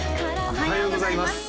おはようございます